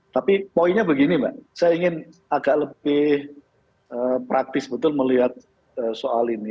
tapi poinnya begini mbak saya ingin agak lebih praktis betul melihat soal ini